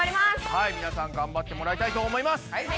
皆さんがんばってもらいたいと思います。